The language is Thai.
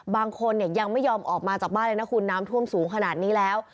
บางคนเนี่ยยังไม่ยอมออกมาจากบ้านเลยนะคุณน้ำท่วมสูงขนาดนี้แล้ว